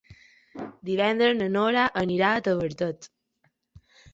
Divendres na Nora anirà a Tavertet.